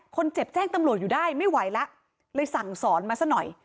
คนเจ็บแจ้งตำรวจอยู่ได้ไม่ไหวแล้วเลยสั่งสอนมาซะหน่อย